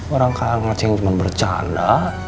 orang kaget cuman bercanda